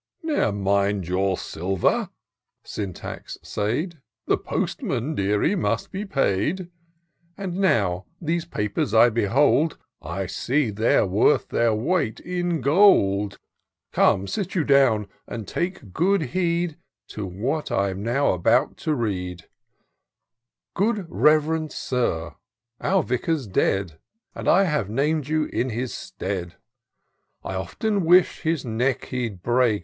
" Ne'er mind your silver," Syntax said, " The postman. Deary, must be paid ; And now these papers I behold, I see they're worth their weight in gold : Come, sit you down, and take good heed To what I'm now about to read :"—" Good Rev'rend Sir, Our Vicar's dead. And I have nam'd you in his stead. I often wish'd his neck he'd break.